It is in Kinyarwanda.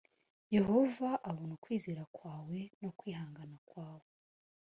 yehova abona ukwizera kwawe no kwihangana kwawe